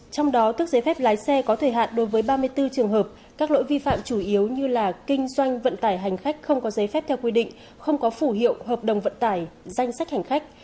trong đó tước giấy phép lái xe có thời hạn đối với ba mươi bốn trường hợp các lỗi vi phạm chủ yếu như là kinh doanh vận tải hành khách không có giấy phép theo quy định không có phủ hiệu hợp đồng vận tải danh sách hành khách